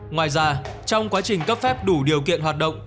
ngoài ra trong quá trình cấp phép đủ điều kiện hoạt động